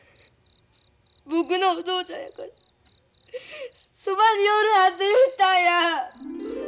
僕のお父ちゃんやからそばに寄るなって言ったんや！